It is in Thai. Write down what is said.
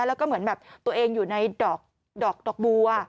แล้วก็เหมือนแบบตัวเองอยู่ในดอกบัว